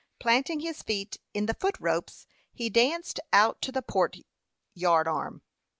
Planting his feet in the foot ropes, he danced out to the port yard arm.